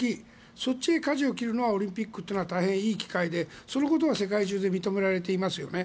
そっちへかじを切るのはオリンピックっていうのは大変いい機会でそのことは世界中で認められていますよね。